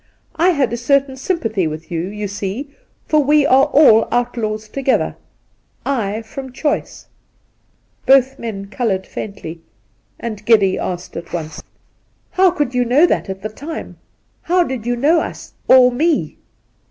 I had a certain sympathy with you, you see, for we are all outlaws together — I from choice !' Both men coloured faintly, and Geddy asked at once: 96 Induna Nairn ' How could you know that at the time ? How did you know us — or me